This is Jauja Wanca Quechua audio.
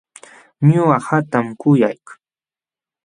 Ñuqa qamtam kuyak.